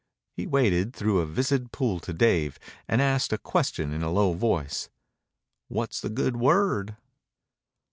He waded through a viscid pool to Dave and asked a question in a low voice. "What's the good word?"